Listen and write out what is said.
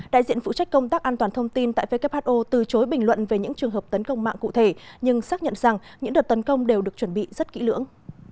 đại diện phụ trách công tác an toàn thông tin tại who từ chối bình luận về những trường hợp tấn công mạng cụ thể nhưng xác nhận rằng những đợt tấn công đều được chuẩn bị rất kỹ lưỡng